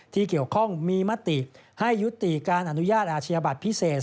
ที่เกี่ยวข้องมีมติให้ยุติการอนุญาตอาชญาบัตรพิเศษ